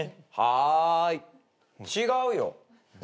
「はい」違うよ。